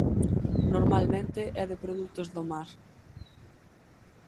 Normalmente é de produtos do mar.